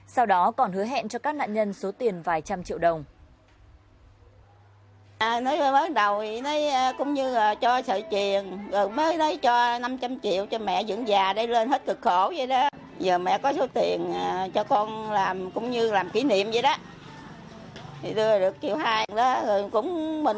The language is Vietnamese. sau đó còn hứa hẹn cho các nạn nhân số tiền vài trăm triệu đồng